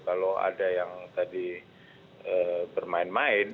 kalau ada yang tadi bermain main